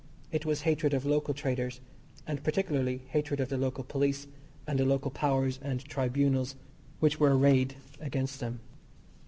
It was hatred of local traders, and, particularly, hatred of the local police, and the local powers and tribunals, which were arrayed against them.